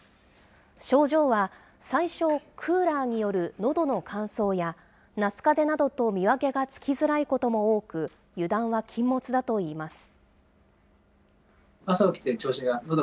症状は最初、クーラーによるのどの乾燥や、夏かぜなどと見分けがつきづらいことも多く、油断は禁物だといいます。